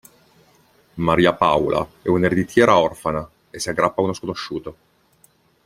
Maria Paula è un'ereditiera orfana, e si aggrappa a uno sconosciuto.